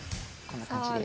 こんな感じで。